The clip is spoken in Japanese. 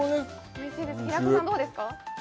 おいしい平子さんどうですか？